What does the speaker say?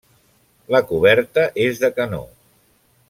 La coberta és de canó.